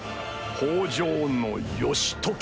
北条義時。